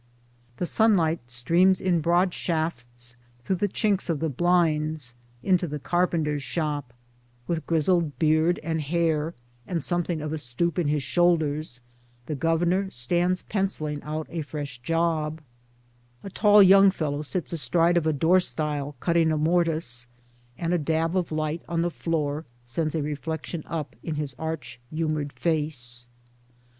The sunlight streams in broad shafts through the chinks of the blinds into the carpenter's shop ; with grizzled beard and hair, and something of a stoop in his shoulders, the governor stands penciling out a fresh job; a tall young fellow sits astride of a door style, cutting a mortise, and a dab of light on the floor sends a reflection up in his arch humored face.